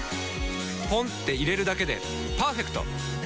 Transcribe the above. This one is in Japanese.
ポンって入れるだけでパーフェクト！